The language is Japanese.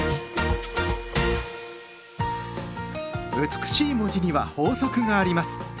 美しい文字には法則があります。